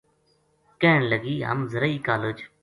کہن لگی:” ہم زرعی کالج